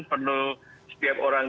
perlu setiap orang